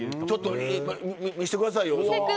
ちょっと見せてくださいよ。